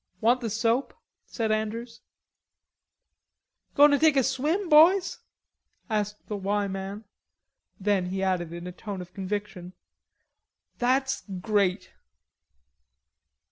"Want the soap?" said Andrews. "Going to take a swim, boys?" asked the "Y" man. Then he added in a tone of conviction, "That's great."